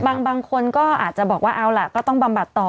บางคนก็อาจจะบอกว่าเอาล่ะก็ต้องบำบัดต่อ